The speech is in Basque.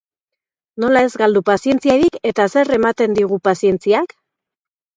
Nola ez galdu pazientziarik eta zer ematen digu pazientziak?